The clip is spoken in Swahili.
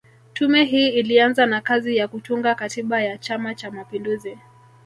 Tume hii ilianza na kazi ya kutunga Katiba ya Chama Cha mapinduzi